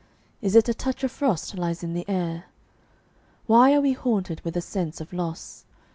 Is it a touch of frost lies in the air? Why are we haunted with a sense of loss?